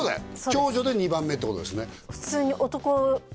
長女で２番目ってことですね